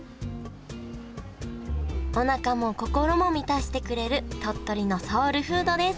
おなかも心も満たしてくれる鳥取のソウルフードです